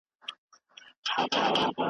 سل روپۍ پوره كه داختر شپه پر كور كه